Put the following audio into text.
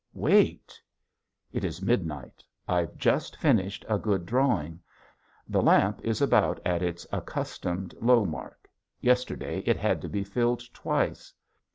Wait! It is midnight. I've just finished a good drawing. The lamp is about at its accustomed low mark yesterday it had to be filled twice!